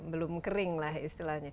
belum kering lah istilahnya